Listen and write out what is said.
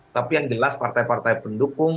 tapi yang jelas partai partai pendukung